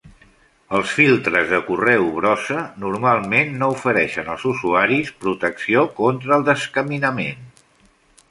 Els filtres de correu brossa normalment no ofereixen als usuaris protecció contra el descaminament.